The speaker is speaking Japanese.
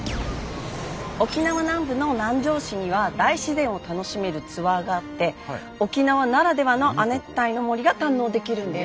沖縄南部の南城市には大自然を楽しめるツアーがあって沖縄ならではの亜熱帯の森が堪能できるんです。